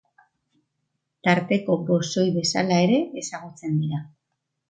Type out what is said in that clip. Tarteko bosoi bezala ere ezagutzen dira.